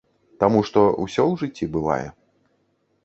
Таму што ўсё ў жыцці бывае.